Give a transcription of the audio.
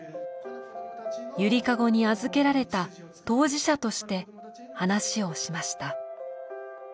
ゆりかごに預けられた当事者として話をしました。